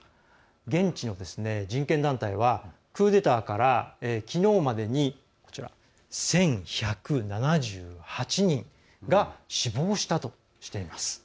現地の人権団体はクーデターからきのうまでに、１１７８人が死亡したとしています。